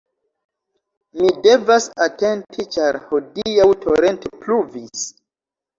Mi devas atenti ĉar hodiaŭ torente pluvis